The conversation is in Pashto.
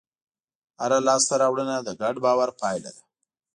هره لاستهراوړنه د ګډ باور پایله ده.